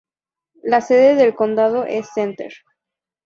La sede del condado es Center.